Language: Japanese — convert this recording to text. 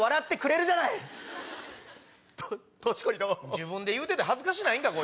自分で言うて恥ずかしないんか？